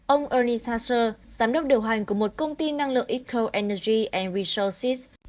ông ernie sasser giám đốc điều hành của một công ty năng lượng eco energy and resources